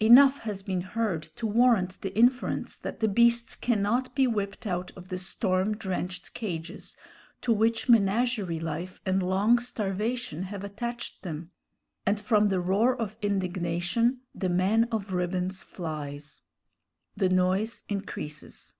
Enough has been heard to warrant the inference that the beasts cannot be whipped out of the storm drenched cages to which menagerie life and long starvation have attached them, and from the roar of indignation the man of ribbons flies. The noise increases.